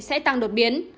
sẽ tăng đột biến